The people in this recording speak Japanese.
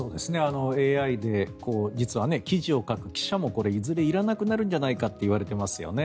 ＡＩで実は記事を書く記者もいずれいらなくなるんじゃないかといわれていますよね。